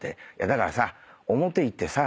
「だからさ表行ってさ